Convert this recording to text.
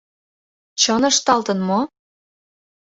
Чын ышталтын мо?